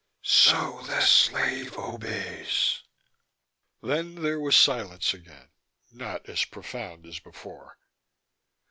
"So the slave obeys." Then there was silence again, not as profound as before.